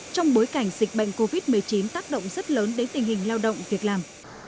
trong bối cảnh dịch bệnh covid một mươi chín tác động rất lớn đến tình hình lao động việc làm